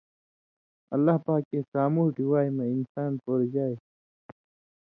اللہ پاکے سامُوٹھیۡ وحی مہ انسان پورژائ